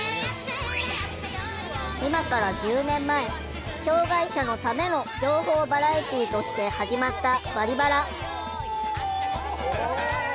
今から１０年前「障害者のための情報バラエティー」として始まった「バリバラ」。